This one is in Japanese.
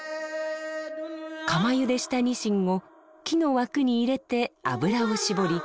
釜ゆでしたにしんを木の枠に入れて油を搾り